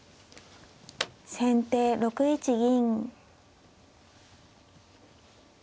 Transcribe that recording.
先手６一銀。